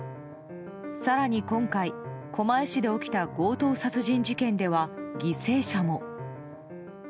更に今回、狛江市で起きた強盗殺人事件では犠牲者も。